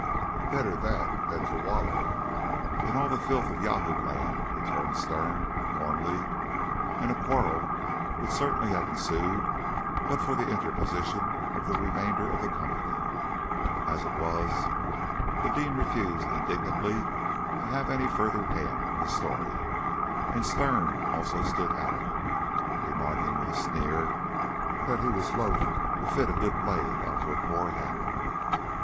"Better that than to wallow in all the filth of Yahoo land," returned Sterne warmly, and a quarrel would certainly have ensued but for the interposition of the remainder of the company. As it was, the Dean refused indignantly to have any further hand in the story, and Sterne also stood out of it, remarking with a sneer that he was loth to fit a good blade on to a poor handle.